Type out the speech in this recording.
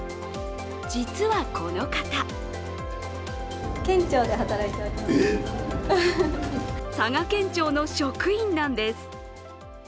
実はこの方佐賀県庁の職員なんです。